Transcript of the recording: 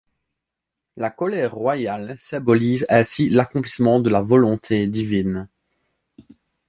La colère royale symbolise ainsi l'accomplissement de la volonté divine.